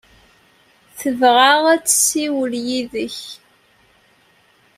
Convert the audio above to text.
Tebɣa ad tessiwel yid-k.